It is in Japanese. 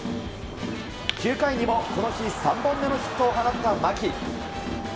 ９回にも、この日３本目のヒットを放った牧。